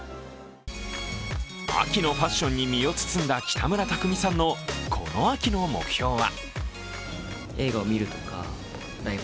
秋のファッションに身を包んだ北村匠海さんのこの秋の目標は？